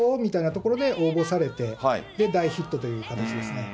ところで応募されて、で、大ヒットという形ですね。